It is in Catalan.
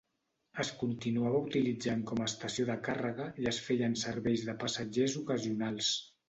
Es continuava utilitzant com a estació de càrrega i es feien serveis de passatgers ocasionals.